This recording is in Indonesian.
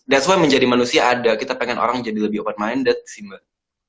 that's why menjadi manusia ada kita pengen orang jadi lebih open minded sih mbak